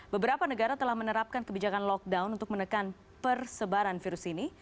beberapa negara telah menerapkan kebijakan lockdown untuk menekan persebaran virus ini